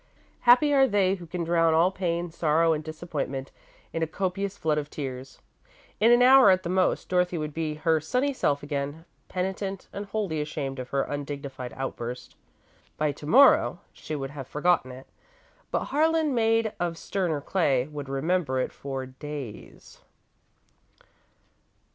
Happy are they who can drown all pain, sorrow, and disappointment in a copious flood of tears. In an hour, at the most, Dorothy would be her sunny self again, penitent, and wholly ashamed of her undignified outburst. By to morrow she would have forgotten it, but Harlan, made of sterner clay, would remember it for days.